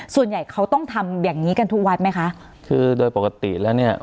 ส่วนใหญ่เขาต้องทำอย่างงี้กันทุกวัดไหมคะคือโดยปกติแล้วเนี้ย